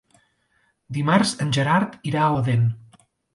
Dimarts en Gerard irà a Odèn.